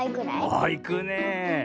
ああいくねえ。